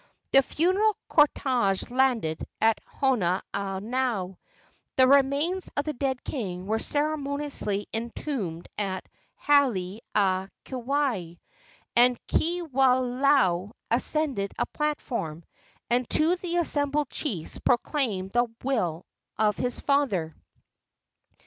The funeral cortege landed at Honaunau, the remains of the dead king were ceremoniously entombed at Hale a Keawe, and Kiwalao ascended a platform, and to the assembled chiefs proclaimed the will of his father.